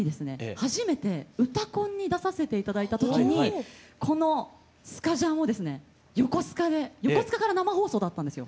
初めて「うたコン」に出させて頂いた時にこのスカジャンをですね横須賀で横須賀から生放送だったんですよ。